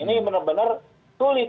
ini benar benar sulit